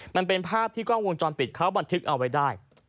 มันเป็นภาพที่กล้องวงจรปิดเขาบันทึกเอาไว้ได้